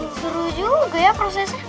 seru juga ya prosesnya